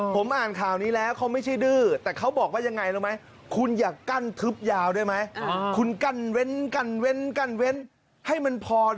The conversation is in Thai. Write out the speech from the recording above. ผมอ่านข่าวนี้แล้วเขาไม่ใช่ดื้อ